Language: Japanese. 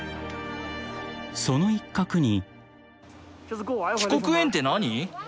［その一画に］